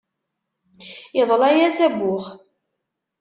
Iḍla-yas abux.